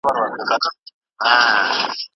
څرنګه چې پاک چاپېریال وي، ناروغي به ژر نه خپرېږي.